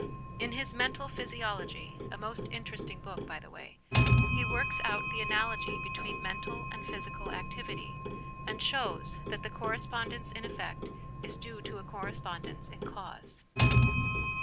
In his Mental Physiology a most interesting book, 112 HOME EDUCATION by the way he works out the analogy between mental and physical activity, and shows that the correspondence in effect is due to a correspondence in cause.